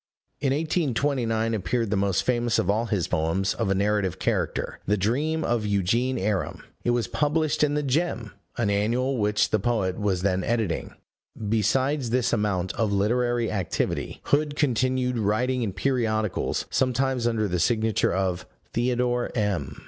In 1829 appeared the most famous of all his poems of a narrative character The Dream of Eugene Aram; it was published in the Gem, an annual which the poet was then editing. Besides this amount of literary activity, Hood continued writing in periodicals, sometimes under the signature of "Theodore M."